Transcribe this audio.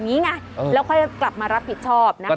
งี้ไงเออแล้วค่อยกลับมารับผิดชอบนะคะ